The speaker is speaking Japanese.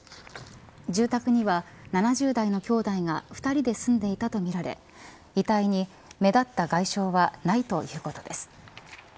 住宅には７０代の兄弟が２人で住んでいたとみられ遺体に目立った外傷はないということです。